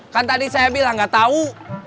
kan tadi saya bilang gak tau